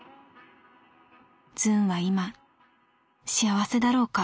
「ズンはいま幸せだろうか？